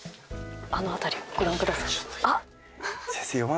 あの辺りをご覧ください。